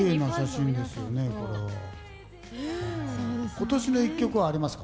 今年の１曲はありますか？